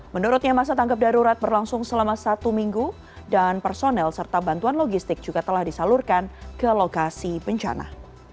menurutnya masa tanggap darurat berlangsung selama satu minggu dan personel serta bantuan logistik juga telah disalurkan ke lokasi bencana